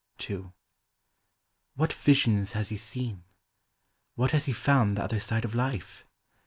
II. What visions has he seen ? What has he found the other side of life